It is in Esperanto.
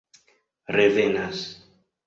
revenas